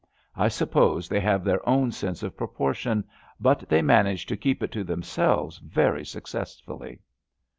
I sup pose they have their own sense of proportion, but they manage to keep it to themselves very success fully.